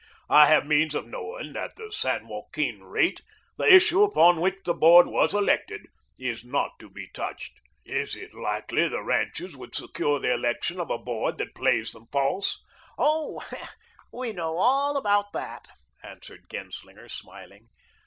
I have means of knowing that the San Joaquin rate the issue upon which the board was elected is not to be touched. Is it likely the ranchers would secure the election of a board that plays them false?" "Oh, we know all about that," answered Genslinger, smiling.